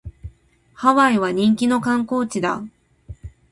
ハワイは人気の観光地だ